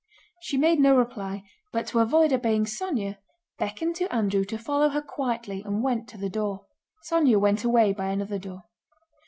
She made no reply, but to avoid obeying Sónya beckoned to Andrew to follow her quietly and went to the door. Sónya went away by another door.